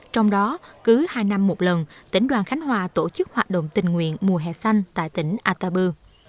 trong đó cứ hai năm một lần tỉnh đoàn khánh hòa tổ chức hoạt động tình nguyện mùa hè xanh tại tỉnh atabu